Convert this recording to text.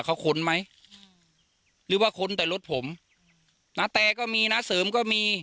เขาค้นไหมหรือว่าค้นแต่รถผมณแตก็น้าเสริมก็มี